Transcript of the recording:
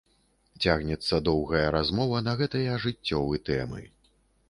Цягнецца доўгая размова на гэтыя жыццёвы тэмы.